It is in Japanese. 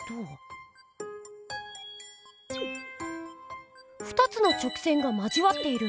心の声２つの直線が交わっている